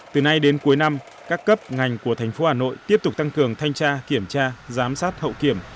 từ nay đến cuối năm các cấp ngành của thành phố hà nội tiếp tục tăng cường thanh tra kiểm tra giám sát hậu kiểm